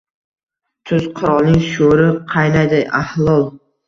Tuz qirolning sho’ri qaynaydi alhol